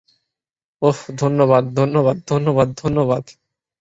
ওহ, ধন্যবাদ, ধন্যবাদ, ধন্যবাদ, ধন্যবাদ।